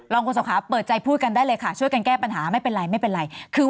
รองโคศกคะเปิดใจพูดกันเลยช่วยกันแก้ปัญหาไม่เป็นไร